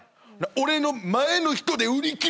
「俺の前の人で売り切れてん」